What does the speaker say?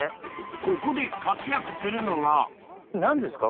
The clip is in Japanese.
ここで活躍するのが何ですか？